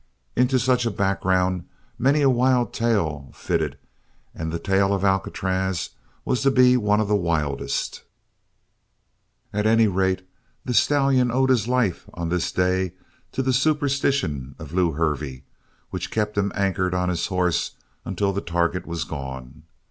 Into such a background many a wild tale fitted and the tale of Alcatraz was to be one of the wildest. At any rate, the stallion owed his life on this day to the superstition of Lew Hervey which kept him anchored on his horse until the target was gone.